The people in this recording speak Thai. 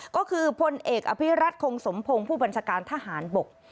ก็คือพลเอกอภิรัตคงสมพงศ์ผู้บัญชาการทหารบก